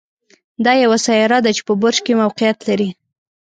دا یوه سیاره ده چې په برج کې موقعیت لري.